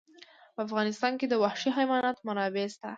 په افغانستان کې د وحشي حیوانات منابع شته.